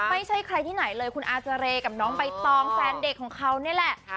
ไม่ใช่ใครที่ไหนเลยคุณอาเจรกับน้องใบตองแฟนเด็กของเขานี่แหละ